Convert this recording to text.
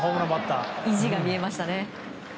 意地が見えましたね。